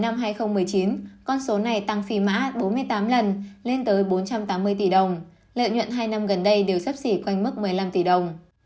mã bốn mươi tám lần lên tới bốn trăm tám mươi tỷ đồng lợi nhuận hai năm gần đây đều sắp xỉ quanh mức một mươi năm tỷ đồng